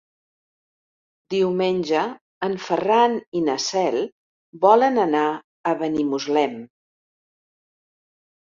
Diumenge en Ferran i na Cel volen anar a Benimuslem.